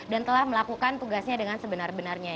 dan telah melakukan tugasnya dengan sebenar benarnya